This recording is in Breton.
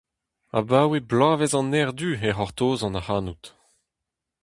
Abaoe bloavezh an erc'h du e c'hortozan ac'hanout !